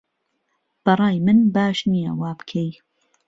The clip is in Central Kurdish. بەڕای من باش نییە وابکەی